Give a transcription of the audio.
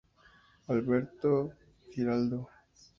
Alberto Giraldo.